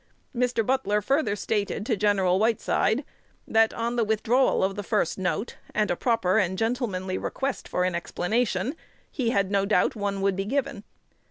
Mr. Butler further stated to Gen. Whiteside, that, on the withdrawal of the first note, and a proper and gentlemanly request for an explanation, he had no doubt one would be given.